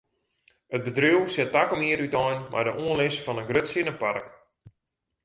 It bedriuw set takom jier útein mei de oanlis fan in grut sinnepark.